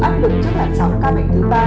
áp lực trước làn sóng ca bệnh thứ ba